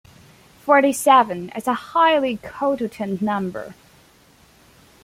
Forty-seven is a highly cototient number.